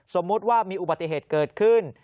สมมุติว่ามีอุบัติเหตุเกิดขึ้น